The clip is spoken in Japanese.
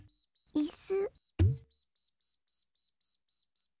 いす！